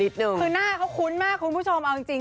คือหน้าเขาคุ้นมากคุณผู้ชมเอาจริง